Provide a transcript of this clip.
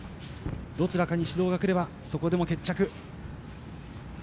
どちらかに指導がくればそこでも決着。